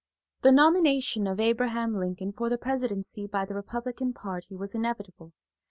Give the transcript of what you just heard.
The nomination of Abraham Lincoln for the presidency by the Republican party was inevitable.